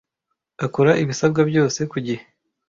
akora ibisabwa byose kugihe